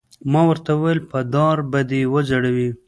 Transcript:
ما ورته وویل: په دار به دې وځړوي.